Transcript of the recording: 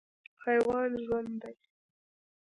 حیوان ژوند دی.